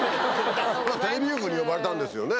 テレビ局に呼ばれたんですよね。